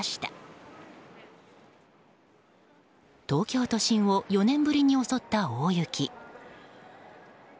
東京都心を４年ぶりに襲った大雪。